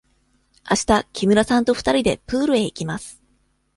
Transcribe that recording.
あした木村さんと二人でプールへ行きます。